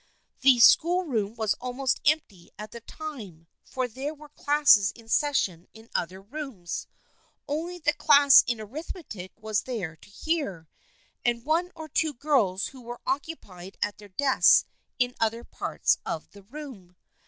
The schoolroom was almost empty at the time, for there were classes in session in other rooms. Only the class in arithmetic was there to hear, and one or two girls who were occupied at their desks in other parts of the room.